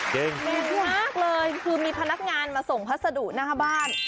เก่งมากเลยคือมีพนักงานมาส่งพัสดุหน้าบ้าน